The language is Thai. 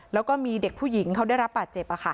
แล้วก็มีเด็กผู้หญิงเขาได้รับบาดเจ็บ